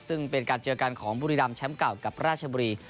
ซึ่งเป็นการเจอกันของบุรีรำแชมป์เก่ากับราชบุรี